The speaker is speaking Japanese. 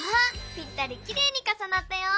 ぴったりきれいにかさなったよ！